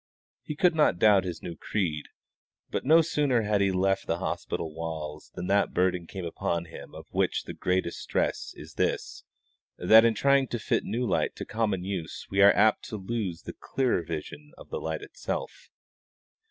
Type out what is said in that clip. He could not doubt his new creed; but no sooner had he left the hospital walls than that burden came upon him of which the greatest stress is this, that in trying to fit new light to common use we are apt to lose the clearer vision of the light itself.